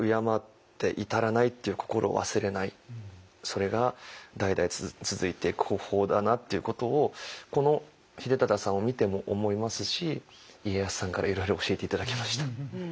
それが代々続いていく方法だなっていうことをこの秀忠さんを見ても思いますし家康さんからいろいろ教えて頂きました。